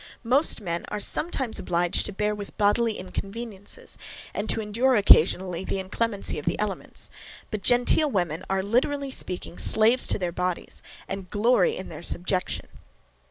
Most men are sometimes obliged to bear with bodily inconveniences, and to endure, occasionally, the inclemency of the elements; but genteel women are, literally speaking, slaves to their bodies, and glory in their subjection.